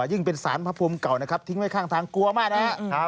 ยิ่งเป็นสารพระภูมิเก่านะครับทิ้งไว้ข้างทางกลัวมากนะครับ